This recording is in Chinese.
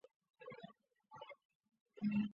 古希腊米利都的史诗诗人之一。